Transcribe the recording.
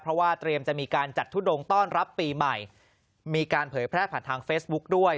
เพราะว่าเตรียมจะมีการจัดทุดงต้อนรับปีใหม่มีการเผยแพร่ผ่านทางเฟซบุ๊กด้วย